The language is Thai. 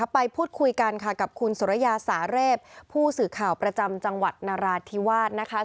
ไปพูดคุยกันค่ะกับคุณสุรยาสาเรศผู้สื่อข่าวประจำจังหวัดนราธิวาสนะคะ